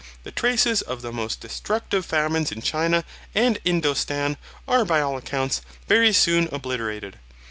The traces of the most destructive famines in China and Indostan are by all accounts very soon obliterated.